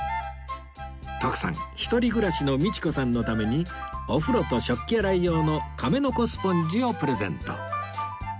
徳さん一人暮らしの道子さんのためにお風呂と食器洗い用の亀の子スポンジをプレゼント